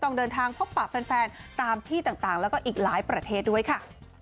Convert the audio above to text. ต้องเดินทางพบปะแฟนตามที่ต่างแล้วก็อีกหลายประเทศด้วยค่ะ